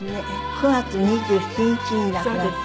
９月２７日に亡くなった。